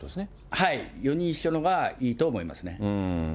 はい、４人一緒のほうがいいと思いますね。